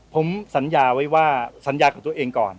ผมสัญญาไว้ว่าสัญญาของตัวเองก่อน